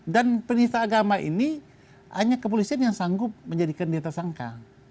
dan penyihir agama ini hanya kepolisian yang sanggup menjadikan dia tersangka